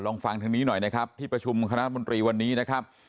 ลองฟังทางนี้หน่อยนะครับที่ประชุมคณะรัฐมนตรีวันนี้นะครับ